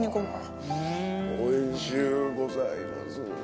おいしゅうございます。